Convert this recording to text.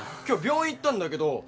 今日病院行ったんだけど。